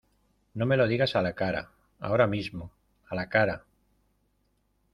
no me lo digas a la cara. ahora mismo, a la cara .